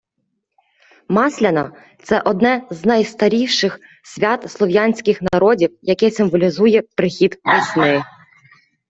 Масляна – це одне з найстаріших свят слов'янських народів, яке символізує прихід весни.